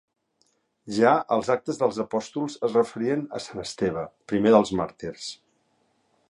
Ja els Actes dels Apòstols es referien a sant Esteve, primer dels màrtirs.